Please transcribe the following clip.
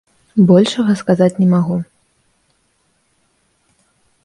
Большага сказаць не магу.